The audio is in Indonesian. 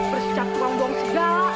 persis cak panggung segala